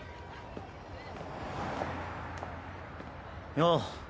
よう。